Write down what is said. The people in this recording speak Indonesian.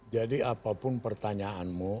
jadi apapun pertanyaanmu